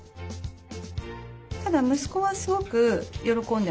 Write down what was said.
ただ息子はすごく喜んでます。